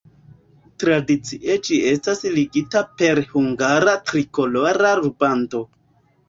Tradicie ĝi estas ligata per hungara trikolora rubando.